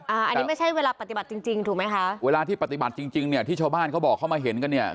อันนี้ไม่ใช่เวลาปฏิบัติจริงจริงถูกไหมคะเวลาที่ปฏิบัติจริงจริงเนี่ยที่ชาวบ้านเขาบอกเขามาเห็นกันเนี่ย